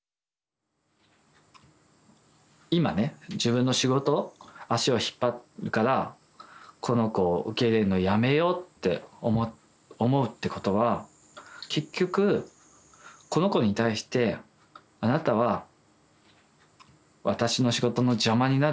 今ね自分の仕事足を引っ張るからこの子を受け入れるのやめようって思うってことは結局この子に対して「あなたは私の仕事の邪魔になる。